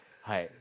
はい。